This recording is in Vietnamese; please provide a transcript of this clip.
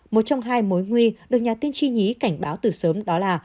một trong hai mối nguy được nhà tiên tri nhí cảnh báo từ sớm đó là